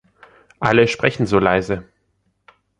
Alle sprechen so leise.